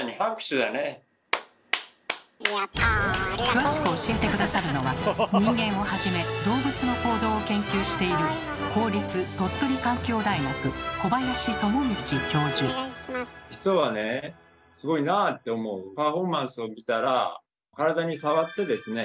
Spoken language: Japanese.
詳しく教えて下さるのは人間をはじめ動物の行動を研究している人はねすごいなあって思うパフォーマンスを見たら体に触ってですね